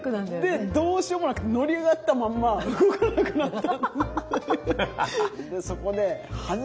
でどうしようもなく乗り上がったまんま動かなくなった。